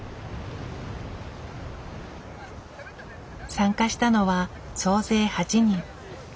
参加したのは総勢８人。